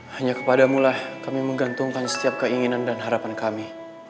hanya kepadamulah kami menggantungkan setiap keinginan dan harapan kami